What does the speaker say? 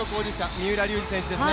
三浦龍司選手ですね。